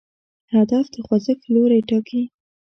هدف د خوځښت لوری ټاکي.